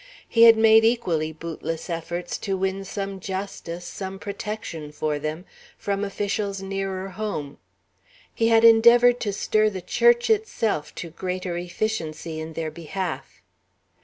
He had made equally bootless efforts to win some justice, some protection for them, from officials nearer home; he had endeavored to stir the Church itself to greater efficiency in their behalf.